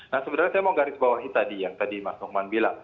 nah sebenarnya saya mau garis bawahi tadi yang tadi mas rokman bilang